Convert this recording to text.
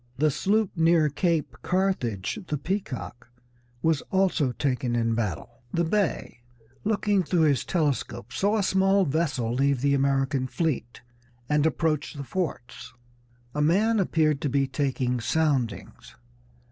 The sloop near Cape Carthage, the Peacock, was also taken in battle." The Bey, looking through his telescope, saw a small vessel leave the American fleet and approach the forts. A man appeared to be taking soundings.